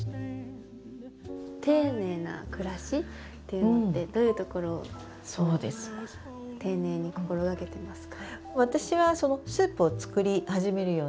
丁寧な暮らしっていうのってどういうところを丁寧に心がけてますか？